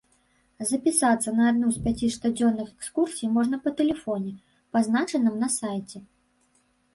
Запісацца на адну з пяці штодзённых экскурсій можна па тэлефоне, пазначаным на сайце.